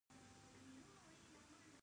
دوی سړکونه او بندرونه جوړ کړل.